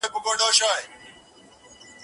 پر یوه ګور به ژوند وي د پسونو، شرمښانو